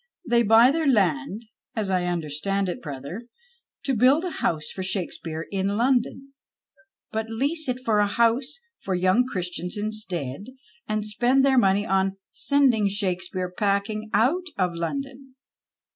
" They buy their land, as I understand it, brother, to build a house for Shake speare in London, but lease it for a house for yoimg Christians instead, and spend their money on send ing Shakespeare packing out of London."